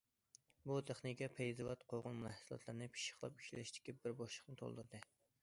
بۇ تېخنىكا پەيزىۋات قوغۇن مەھسۇلاتلىرىنى پىششىقلاپ ئىشلەشتىكى بىر بوشلۇقنى تولدۇردى.